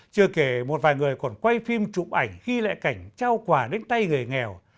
chưa kể một vài người còn quay phim trụ ảnh ghi lại cảnh trao quà đến tay người nghèo